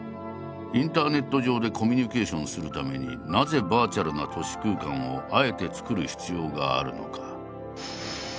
インターネット上でコミュニケーションするためになぜバーチャルな都市空間をあえて作る必要があるのか。